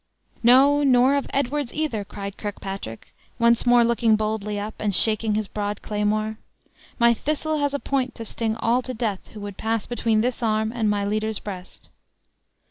"No, nor of Edwards either," cried Kirkpatrick, once more looking boldly up, and shaking his broad claymore: "My thistle has a point to sting all to death who would pass between this arm and my leader's breast."